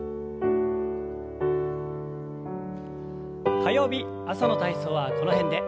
火曜日朝の体操はこの辺で。